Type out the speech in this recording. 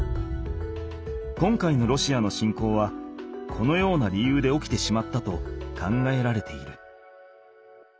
今回のロシアの侵攻はこのような理由で起きてしまったと考えられている。